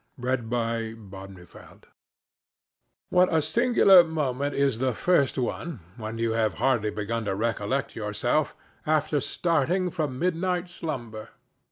THE HAUNTED MIND What a singular moment is the first one, when you have hardly begun to recollect yourself, after starting from midnight slumber!